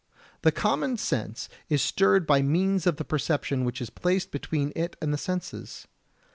The "common sense" is stirred by means of the perception which is placed between it and the senses.